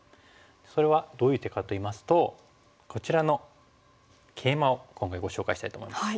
それはどういう手かといいますとこちらのケイマを今回ご紹介したいと思います。